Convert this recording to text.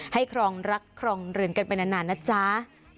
ครองรักครองเรือนกันไปนานนะจ๊ะ